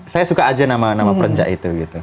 saya suka aja nama nama perenjak itu gitu